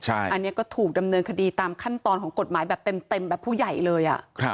อันนี้ก็ถูกดำเนินคดีตามขั้นตอนของกฎหมายแบบเต็มแบบผู้ใหญ่เลย